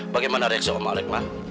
bagaimana reaksi om malek ma